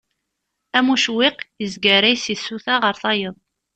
Am ucewwiq yezgaray seg tsuta ɣer tayeḍ.